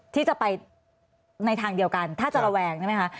ที่จะไปในทางเดียวกันถ้าจะระแวงใช่ไหมคะ